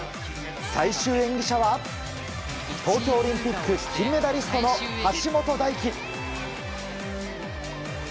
最終演技者は東京オリンピック金メダリストの橋本大輝。